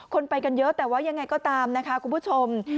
ไปกันเยอะแต่ว่ายังไงก็ตามนะคะคุณผู้ชม